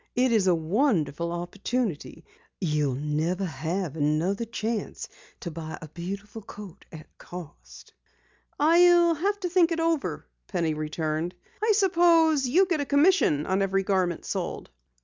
"It is a wonderful opportunity. You'll never have another chance to buy a beautiful coat at cost." "I'll have to think it over," Penny returned. "I suppose you get a commission on every garment sold?"